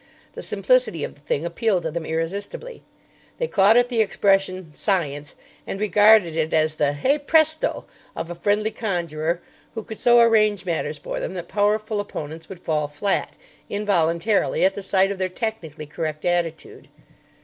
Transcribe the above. The simplicity of the thing appealed to them irresistibly. They caught at the expression, "Science," and regarded it as the "Hey Presto!" of a friendly conjurer who could so arrange matters for them that powerful opponents would fall flat, involuntarily, at the sight of their technically correct attitude.